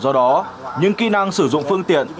do đó những kỹ năng sử dụng phương tiện